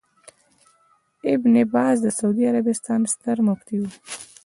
ابن باز د سعودي عربستان ستر مفتي وو